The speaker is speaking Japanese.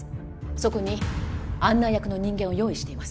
そこに案内役の人間を用意しています